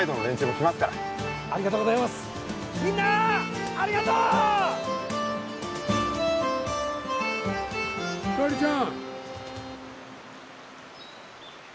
ひかりちゃん。